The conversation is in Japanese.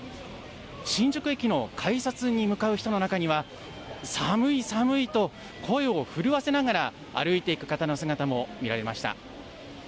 新宿駅の改札に向かう人の中には、寒い寒いと声を震わせながら、歩いていく方の姿も見られました。